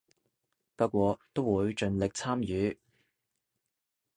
不過都會盡力參與